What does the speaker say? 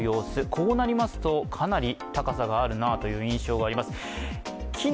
こうなりますと、かなり高さがあるなという印象があります。